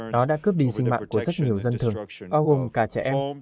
nó đã cướp đi sinh mạng của rất nhiều dân thường bao gồm cả trẻ em